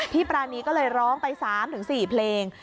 ปรานีก็เลยร้องไป๓๔เพลง